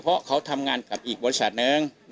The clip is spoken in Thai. เพราะเขาทำงานกับอีกบริษัทหนึ่ง